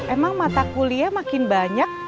emang mata kuliah makin banyak